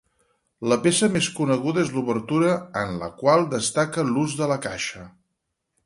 La peça més coneguda és l'obertura, en la qual destaca l'ús de la caixa.